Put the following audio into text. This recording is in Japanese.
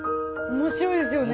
面白いですよね。